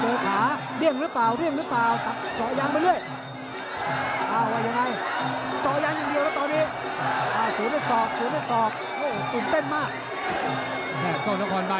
เก๋ขาเรี่ยงหรือเปล่าเรี่ยงหรือเปล่า